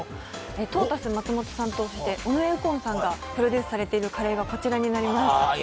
トータス松本さんと尾上右近さんがプロデュースされているカレーがこちらになります。